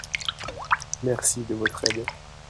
Merci de votre aide.